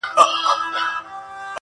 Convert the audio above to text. څوک و یوه او څوک و بل ته ورځي,